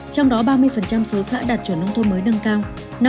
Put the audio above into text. trong đó ba mươi số xã đạt chuẩn nông thôn mới nâng cao